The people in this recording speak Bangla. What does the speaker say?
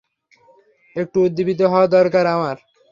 একটু উদ্দীপিত হওয়া দরকার আমার।